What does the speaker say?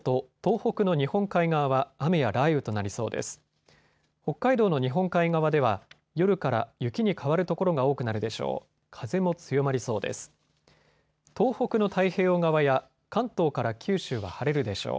北海道の日本海側では夜から雪に変わる所が多くなるでしょう。